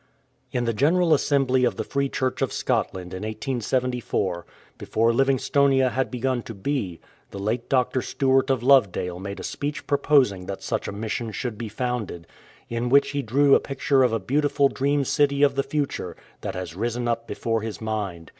In the General Assembly of the Free Church of Scot land in 1874, before Livingstonia had begun to be, the late Dr. Stewart of Lovedale made a speech proposing that such a Mission should be founded, in which he drew a picture of a beautiful dream city of the future that had risen up before his mind.